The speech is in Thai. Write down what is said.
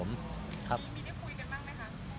มีได้คุยกันบ้างไหมคะ